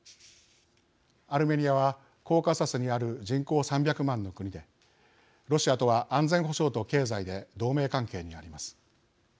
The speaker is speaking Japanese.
アルメニアはコーカサスにある人口３００万の国でロシアとは安全保障と経済で同盟関係にあります。